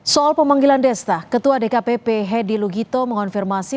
soal pemanggilan desta ketua dkpp hedi lugito mengonfirmasi